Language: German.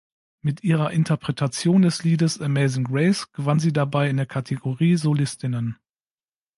Mit ihrer Interpretation des Liedes "Amazing Grace" gewann sie dabei in der Kategorie „Solistinnen“.